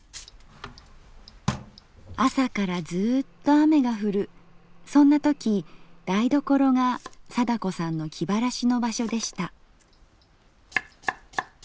朝からずうっと雨が降るそんな時台所が貞子さんの気晴らしの場所でした。